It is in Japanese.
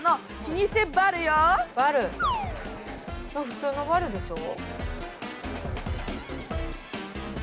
普通のバルでしょ？